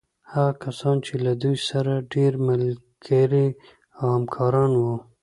هغه کسان چې له دوی سره ډېر ملګري او همکاران وو.